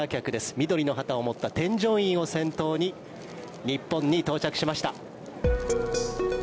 緑の旗を持った添乗員を先頭に日本に到着しました。